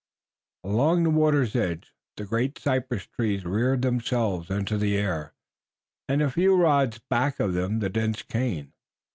Along the water's edge the great cypress trees reared themselves into the air, and a few rods back of them the dense cane.